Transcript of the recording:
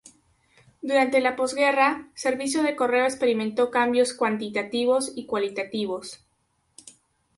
Durante la posguerra, servicio de correo experimentó cambios cuantitativos y cualitativos.